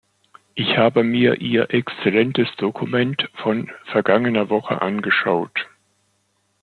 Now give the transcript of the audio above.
Ich habe mir Ihr exzellentes Dokument von vergangener Woche angeschaut.